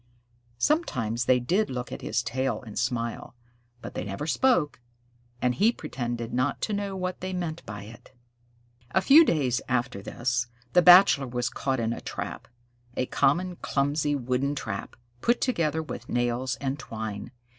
Sometimes they did look at his tail and smile, but they never spoke, and he pretended not to know what they meant by it. A few days after this, the Bachelor was caught in a trap a common, clumsy, wooden trap, put together with nails and twine.